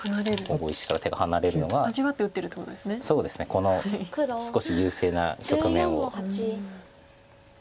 この少し優勢な局面を。